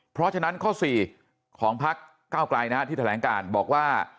เพราะฉะนั้นข้อ๔ของพักเก้าไกลที่แถลงการบอกว่า